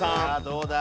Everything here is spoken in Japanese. どうだ？